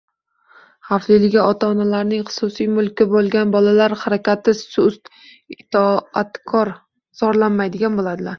Xavfliligi: ota-onalarning “xususiy mulki” bo‘lgan bolalar harakati sust, itoatkor, zorlanmaydigan bo‘ladilar.